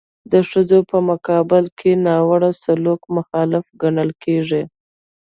د ښځو په مقابل کې ناوړه سلوک مخالف ګڼل کیږي.